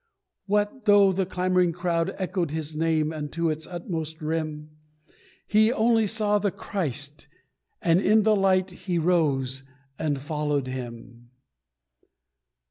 What though the clamouring crowd echoed his name Unto its utmost rim, He only saw the Christ and in the light He rose and followed Him.